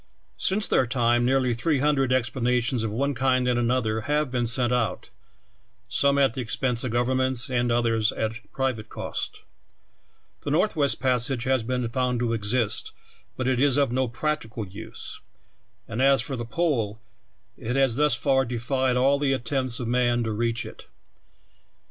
Since their time nearl}^ three hundred expeditions of one kind and another have been sent out, some at the expense of governments and others at private cost. The Northwest Passage has been found to exist, but it is of no practical use ; and as for the Pole, it has thus far defied all the attempts of man to reach it.